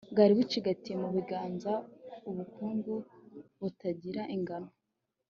bwari bucigatiye mu biganza ubukungu butagira ingano